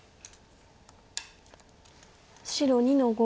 白２の五。